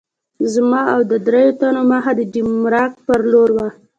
زما او د دریو تنو مخه د ډنمارک په لور وه.